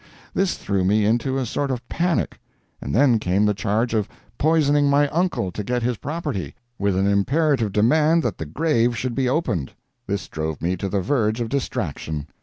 This threw me into a sort of panic. Then came the charge of poisoning my uncle to get his property, with an imperative demand that the grave should be opened. This drove me to the verge of distraction.